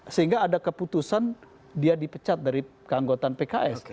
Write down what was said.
sehingga ada keputusan dia dipecat dari keanggotaan pks